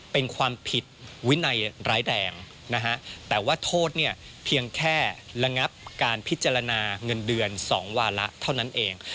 เป็นความผิดวินัยร้ายแรงนะฮะแต่ว่าโทษเนี่ยเพียงแค่ระงับการพิจารณาเงินเดือน๒วาระเท่านั้นเอง